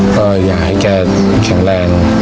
ก็อยากให้แกแข็งแรง